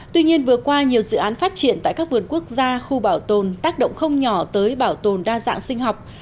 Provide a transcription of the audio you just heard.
tuy nhiên vừa qua nhiều dự án phát triển tại các vườn quốc gia khu bảo tồn tác động không nhỏ tới bảo tồn đa dạng sinh học